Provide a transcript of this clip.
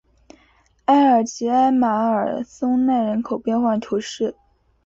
拉尔吉艾马尔松奈人口变化图示